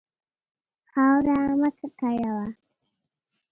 خاوره مه ککړوه.